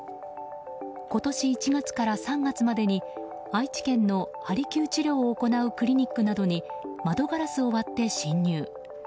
今年１月から３月までに愛知県の針きゅう治療を行うクリニックなどに窓ガラスを割って侵入。